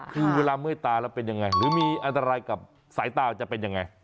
คือเวลาเมื่อยตาแล้วเป็นยังไงหรือมีอันตรายกับสายตาจะเป็นยังไง